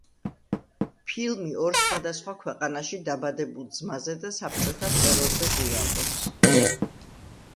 ფილმი ორ სხვადასხვა ქვეყანაში დაბადებულ ძმაზე და საბჭოთა ტერორზე გვიამბობს.